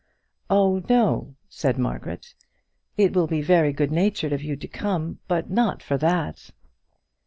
"Oh no," said Margaret; "it will be very good natured of you to come, but not for that."